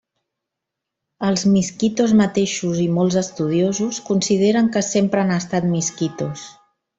Els miskitos mateixos i molts estudiosos consideren que sempre han estat miskitos.